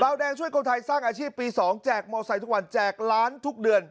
แดงช่วยคนไทยสร้างอาชีพปี๒แจกมอไซค์ทุกวันแจกล้านทุกเดือน